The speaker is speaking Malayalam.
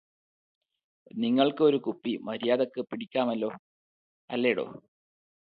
നിങ്ങള്ക്ക് ഒരു കുപ്പി മര്യാദയ്ക്ക് പിടിക്കാമല്ലോ അല്ലേടോ